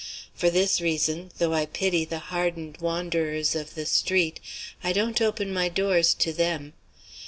For this reason though I pity the hardened wanderers of the streets, I don't open my doors to them.